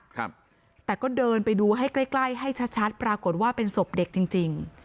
ครับแต่ก็เดินไปดูให้ใกล้ใกล้ให้ชัดชัดปรากฏว่าเป็นศพเด็กจริงจริง